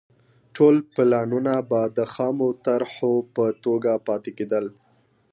ټول پلانونه به د خامو طرحو په توګه پاتې کېدل